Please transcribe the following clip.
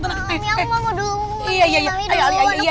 mami aku mau duluan